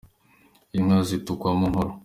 Inka zitukwamo nkuru.